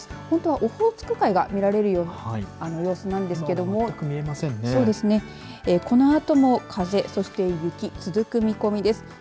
本当は、オホーツク海が見られる様子なんですけどこのあとも風そして雪、続く見込みです。